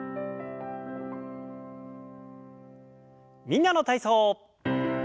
「みんなの体操」。